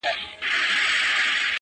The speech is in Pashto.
• په قهر ورکتلي له لومړۍ ورځي اسمان,